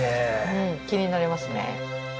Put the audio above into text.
うん気になりますね。